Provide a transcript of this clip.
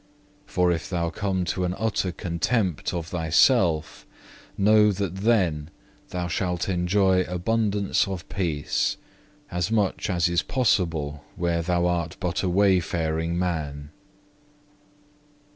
For if thou come to an utter contempt of thyself, know that then thou shalt enjoy abundance of peace, as much as is possible where thou art but a wayfaring man."